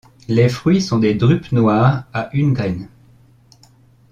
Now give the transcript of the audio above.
Les fruits sont des drupes noires à une graine.